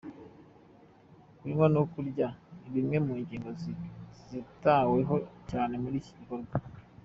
Kunywa no kurya ni zimwe mu ngingo zitaweho cyane muri iki gikorwa.